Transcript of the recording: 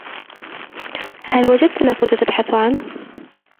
هل وجدت ما كنت تبحث عنه؟